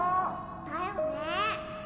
・だよね